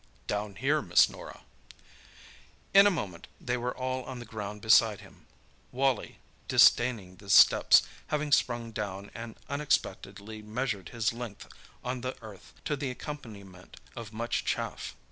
"Down here, Miss Norah." In a moment they were all on the ground beside him—Wally, disdaining the steps, having sprung down, and unexpectedly measured his length on the earth, to the accompaniment of much chaff.